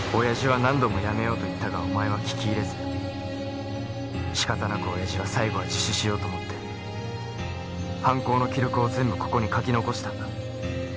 親父は何度もやめようと言ったがお前は聞き入れず仕方なく親父は最後は自首しようと思って犯行の記録を全部ここに書き残したんだ。